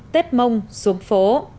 tết mông xuống phố